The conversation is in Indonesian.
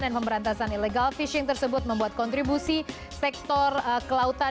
dan pemberantasan illegal fishing tersebut membuat kontribusi sektor kelautan